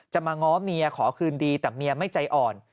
มาง้อเมียขอคืนดีแต่เมียไม่ใจอ่อน